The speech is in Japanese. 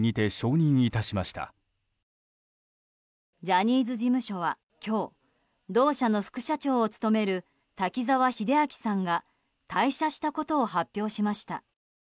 ジャニーズ事務所は今日同社の副社長を務める滝沢秀明さんが退社したことを発表しました。